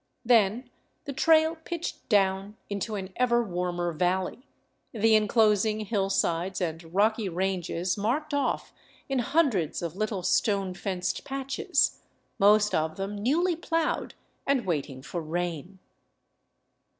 Then the trail pitched down into an ever warmer valley, the enclosing hillsides and rocky ranges marked off in hundreds of little stone fenced patches, most of them newly plowed and waiting for rain.